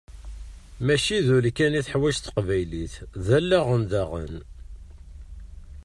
Mačči d ul kan i teḥwaǧ teqbaylit, d allaɣ daɣen!